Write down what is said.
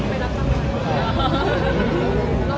น้ำบองน่ะ